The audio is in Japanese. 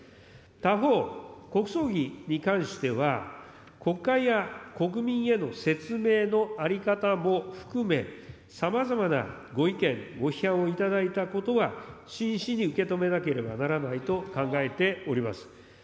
他方、国葬儀に関しては、国会や国民への説明の在り方も含め、さまざまなご意見、ご批判を頂いたことは真摯に受け止めなければならないと考えております。